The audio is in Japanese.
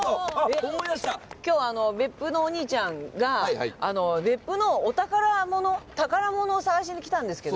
今日別府のおにいちゃんが別府のお宝物宝物を探しに来たんですけど。